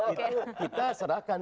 itu kita serahkan